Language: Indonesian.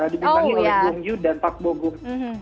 dibutuhkan oleh bong yoo dan park bo gum